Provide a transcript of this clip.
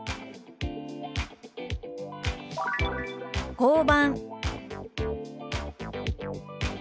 「交番」。